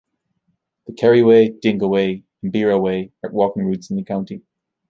The Kerry Way, Dingle Way and Beara Way are walking routes in the county.